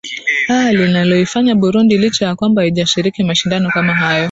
aa linayoifanya burundi licha ya kwamba haijashiriki mashindano kama hayo